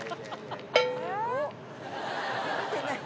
見てない。